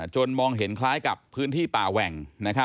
มองเห็นคล้ายกับพื้นที่ป่าแหว่ง